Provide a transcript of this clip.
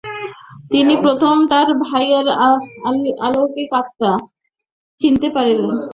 তিনি প্রথম তার ভাইয়ের "আলোকিত আত্মা" চিনতে পারেন।